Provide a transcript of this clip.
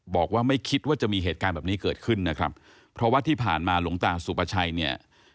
บอกว่าไม่คิดว่าจะมีเหตุการณ์แบบนี้เกิดขึ้นนะครับเพราะว่าที่ผ่านมาหลวงตาสุปชัยเนี่ย